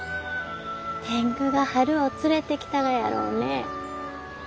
天狗が春を連れてきたがやろうね。